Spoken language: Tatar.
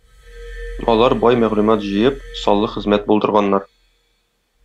Алар бай мәгълүмат җыеп, саллы хезмәт булдырганнар.